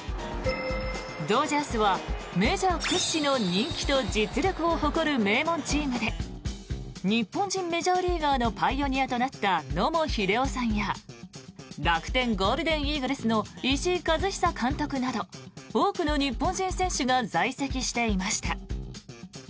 ドジャースはメジャー屈指の人気と実力を誇る名門チームで日本人メジャーリーガーのパイオニアとなった野茂英雄さんや楽天ゴールデンイーグルスの石井一久監督など多くの日本人選手が在籍していました。